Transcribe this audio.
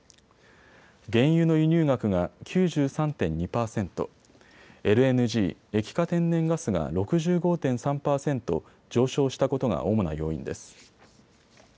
原油の輸入額が９３．２％、ＬＮＧ・液化天然ガスが６５．３％上昇したことが主な要因です。